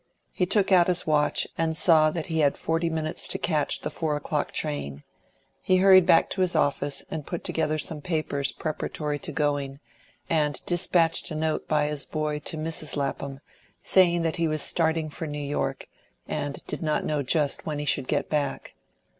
He took out his watch, and saw that he had forty minutes to catch the four o'clock train. He hurried back to his office, and put together some papers preparatory to going, and despatched a note by his boy to Mrs. Lapham saying that he was starting for New York, and did not know just when he should get back.